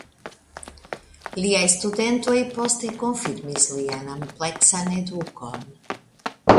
Liaj studentoj poste konfirmis lian ampleksan edukon.